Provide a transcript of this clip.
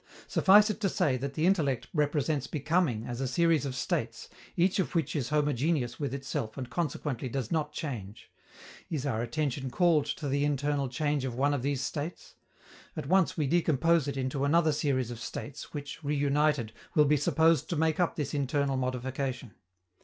Suffice it to say that the intellect represents becoming as a series of states, each of which is homogeneous with itself and consequently does not change. Is our attention called to the internal change of one of these states? At once we decompose it into another series of states which, reunited, will be supposed to make up this internal modification.